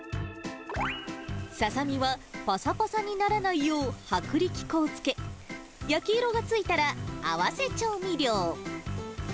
ササミはぱさぱさにならないよう、薄力粉をつけ、焼き色がついたら、合わせ調味料。